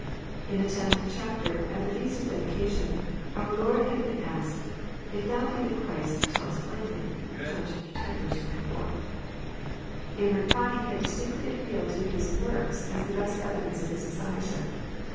In the tenth chapter, at the feast of dedication, Our Lord had been asked, " If Thou be the Christ, tell us plainly." (John x. 24.) In reply He had distinctly appealed to His *' works," as the best evidence of His Messiahship.